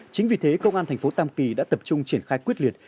chính vì thế công an tp tâm kỳ đã tập trung triển khai quyết liệt